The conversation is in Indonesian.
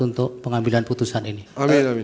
untuk pengambilan putusan ini amin amin